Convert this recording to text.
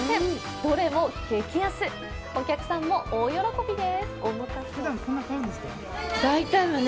どれも激安、お客さんも大喜びです